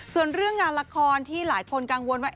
ส่วนเรื่องงานละครที่หลายคนกังวลว่า